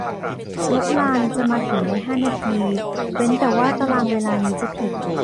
รถรางจะมาถึงในห้านาทีเว้นแต่ว่าตารางเวลานี้จะผิด